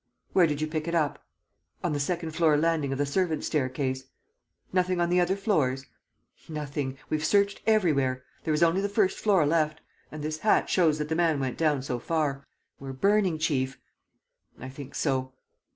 "Where did you pick it up?" "On the second floor landing of the servants' staircase." "Nothing on the other floors?" "Nothing. We've searched everywhere. There is only the first floor left. And this hat shows that the man went down so far. We're burning, chief!" "I think so."